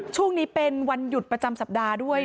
ช่วงนี้เป็นวันหยุดประจำสัปดาห์ด้วย